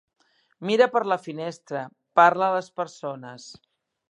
Mira per la finestra, parla a les persones.